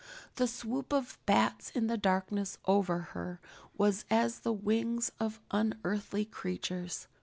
The swoop of bats in the darkness over her was as the wings of unearthly creatures.